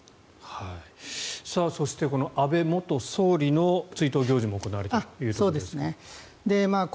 そしてこの安倍元総理の追悼行事も行われたということですが。